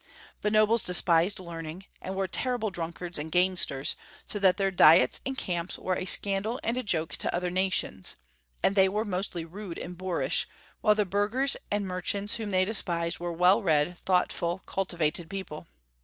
The nobles despised learning, and were terrible drunk ards and gamesters, so that their diets and camps were a scandal and a joke to other nations, and they were mostly rude and boorish, wliile the burghers and merchants whom they despised were well read, thoughtful, cultivated people.